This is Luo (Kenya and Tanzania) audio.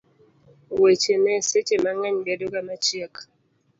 weche ne seche mang'eny bedo ga machiek